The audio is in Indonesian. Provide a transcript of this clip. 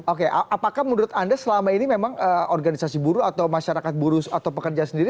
oke apakah menurut anda selama ini memang organisasi buruh atau masyarakat buruh atau pekerja sendiri